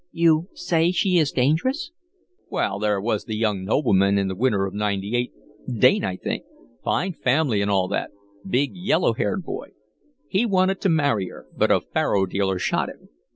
"You say she is dangerous?" "Well, there was the young nobleman, in the winter of '98, Dane, I think fine family and all that big, yellow haired boy. He wanted to marry her, but a faro dealer shot him.